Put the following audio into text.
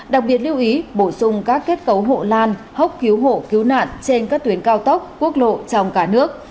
đặc biệt lưu ý bổ sung các kết cấu hộ lan hốc cứu hộ cứu nạn trên các tuyến cao tốc quốc lộ trong cả nước